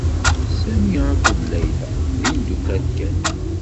Sami akked Layla d imeddukal kan.